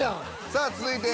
さあ続いて。